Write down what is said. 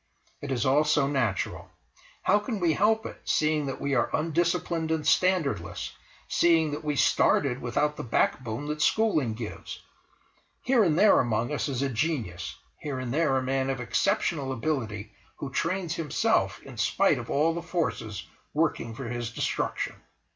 It is all so natural. How can we help it, seeing that we are undisciplined and standardless, seeing that we started without the backbone that schooling gives? Here and there among us is a genius, here and there a man of exceptional stability who trains himself in spite of all the forces working for his destruction.